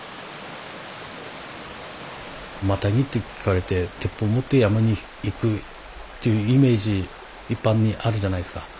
マタギと聞かれて鉄砲持って山に行くというイメージ一般にあるじゃないですか。